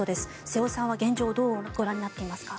瀬尾さんは現状をどうご覧になっていますか。